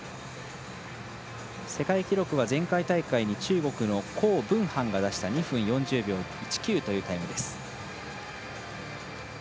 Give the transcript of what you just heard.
世界記録は前回大会に中国の選手が出した２分４０秒１９というタイムです。